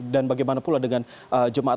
dan bagaimana pula dengan jemaah